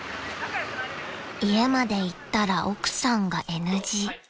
［家まで行ったら奥さんがＮＧ］